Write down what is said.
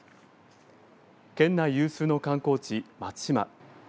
県内有数の観光地、松島。